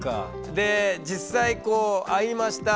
で実際こう会いました。